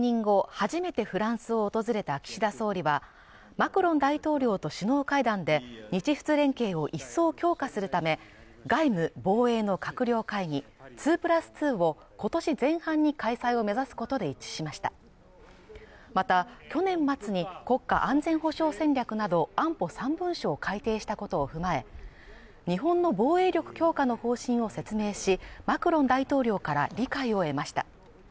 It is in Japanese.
初めてフランスを訪れた岸田総理はマクロン大統領と首脳会談で日仏連携を一層強化するため外務防衛の閣僚会議２＋２を今年前半に開催を目指すことで一致しましたまた去年末に国家安全保障戦略など安保３文書を改訂したことを踏まえ日本の防衛力強化の方針を説明しマクロン大統領から理解を得ました